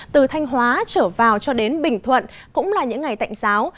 từ thanh hóa trở vào cho đến bình thuận cũng là những ngày tạnh giáo